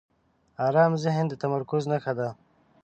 آرام ذهن د تمرکز نښه ده.